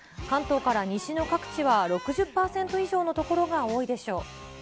関東から西の各地は６０％以上の所が多いでしょう。